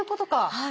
はい。